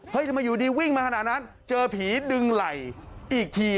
ทำไมอยู่ดีวิ่งมาขนาดนั้นเจอผีดึงไหล่อีกที